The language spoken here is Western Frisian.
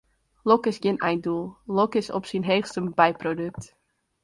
Lok is gjin eindoel, lok is op syn heechst in byprodukt.